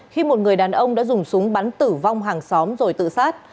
khi một người đàn ông đã dùng súng bắn tử vong hàng xóm rồi tự sát